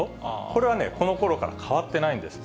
これはね、このころから変わってないんです。